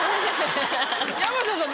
山下さん